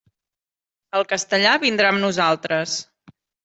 El castellà vindrà amb nosaltres.